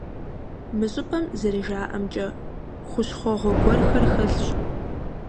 Мы щӀыпӀэм, зэрыжаӀэмкӀэ, хущхъуэгъуэ гуэрхэр хэлъщ.